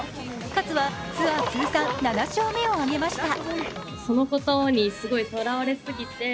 勝はツアー通算７勝目を挙げました